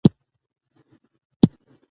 اوس مهال جنګ روان ده